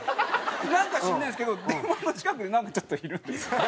なんか知らないんですけど電話の近くになんかちょっといるんです。